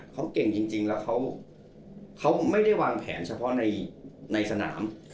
เขาเก่งจริงแล้วเขาไม่ได้วางแผนเฉพาะในสนาม